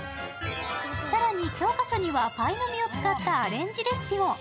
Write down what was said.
更に、教科書にはパイの実を使ったアレンジレシピを。